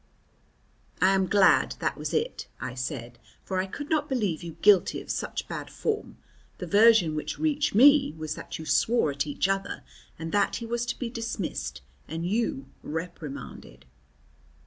"I am glad that was it," I said, "for I could not believe you guilty of such bad form. The version which reached me was that you swore at each other, and that he was to be dismissed and you reprimanded."